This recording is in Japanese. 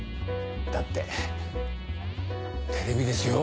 だってテレビですよ？